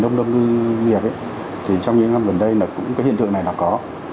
đông đông nghiệp thì trong những năm gần đây là cũng cái hiện tượng này là có